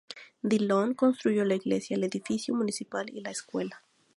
Dillon construyó la iglesia, el edificio municipal y la escuela.